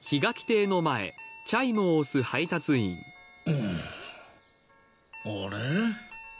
うんあれ？